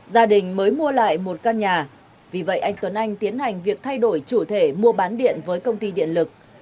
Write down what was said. gia đình mới mua lại một căn nhà vì vậy anh tuấn anh tiến hành việc thay đổi chủ thể mua bán điện với công ty điện lực